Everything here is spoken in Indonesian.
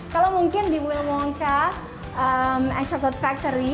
kalau mungkin di wilmongka and chocolate factory